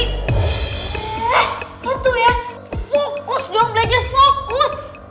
eh lu tuh ya fokus dong belajar fokus